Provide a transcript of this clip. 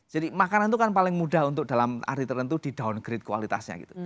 jadi makanan itu kan paling mudah untuk dalam arti tertentu di downgrade kualitasnya gitu